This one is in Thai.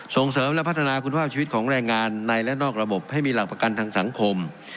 ส่งเสริมและพัฒนาคุณภาพชีวิตของแรงงานในและนอกระบบให้มีหลักประกันทางสังคม